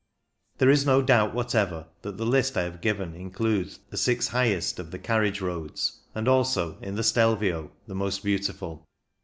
There is no doubt whatever that the list I have given includes the six highest of the carriage roads, and also, in the Stelvio, the most beautiful.